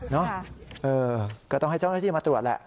ก็ต้องให้เจ้าหน้าที่มาตรวจแหละ